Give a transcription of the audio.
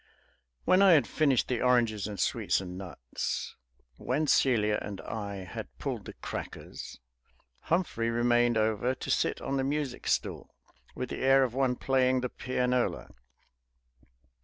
When I had finished the oranges and sweets and nuts, when Celia and I had pulled the crackers, Humphrey remained over to sit on the music stool, with the air of one playing the pianola.